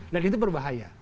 dan itu berbahaya